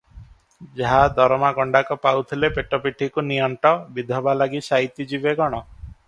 ଯାହା ଦରମା ଗଣ୍ଡାକ ପାଉଥିଲେ, ପେଟ ପିଠିକୁ ନିଅଣ୍ଟ, ବିଧବା ଲାଗି ସାଇତି ଯିବେ କଣ?